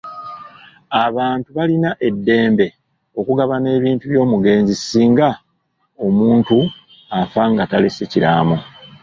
Abantu balina eddembe okugabana ebintu by'omugenzi singa omuntu afa nga talese kiraamo.